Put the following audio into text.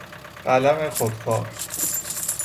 قلم خودکار